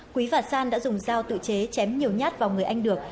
quý và san đã dùng dao tự chế chém nhiều nhát vào người anh được